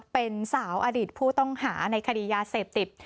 เป็นสาวอดีตผู้ต้องหาในคดียาเสพติด